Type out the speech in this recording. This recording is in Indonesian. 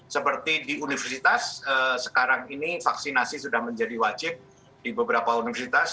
seperti di universitas sekarang ini vaksinasi sudah menjadi wajib di beberapa universitas